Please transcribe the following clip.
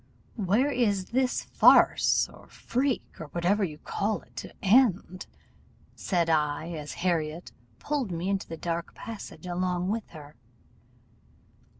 "'Where is this farce, or freak, or whatever you call it, to end?' said I, as Harriot pulled me into the dark passage along with her.